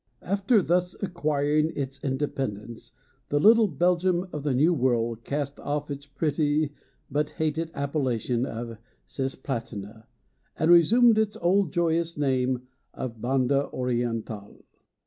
After thus acquiring its independence, the little Belgium of the New World cast off its pretty but hated appellation of Cisplatina and resumed its old joyous name of Banda Orientál.